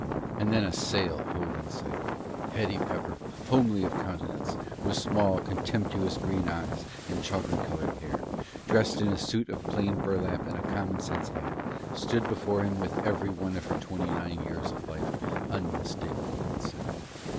And then a sail hove in sight. Hetty Pepper, homely of countenance, with small, contemptuous, green eyes and chocolate colored hair, dressed in a suit of plain burlap and a common sense hat, stood before him with every one of her twenty nine years of life unmistakably in sight.